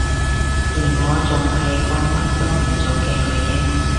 而我仲係個乜都唔做嘅巨嬰